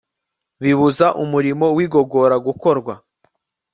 bibuza umurimo wigogora gukorwa